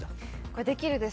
「できる」です